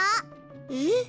えっ？